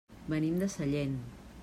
Venim de Sellent.